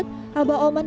abah oman kembali ke rumah